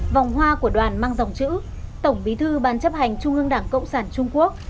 vòng hoa của đoàn mang dòng chữ tổng bí thư ban chấp hành trung ương đảng cộng sản trung quốc